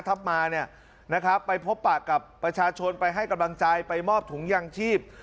มาเนี่ยนะครับไปพบปากกับประชาชนไปให้กำลังใจไปมอบถุงยางชีพ